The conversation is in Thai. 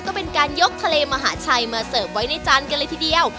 ก็เป็นการยกทะเลมหาชัยมาเสิร์ฟไว้ในจานกันเลยทีเดียว